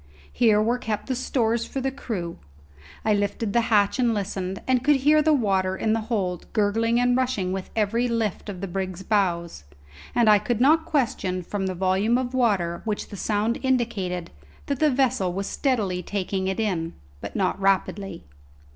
Here were kept the stores for the crew. I lifted the hatch and listened, and could hear the water in the hold gurgling and rushing with every lift of the brig's bows; and I could not question from the volume of water which the sound indicated that the vessel was steadily taking it in, but not rapidly.